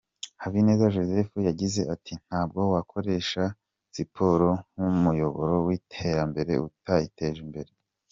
Habineza Joseph yagize ati: “Ntabwo wakoresha siporo nk’umuyoboro w’iterambere utayiteje imbere.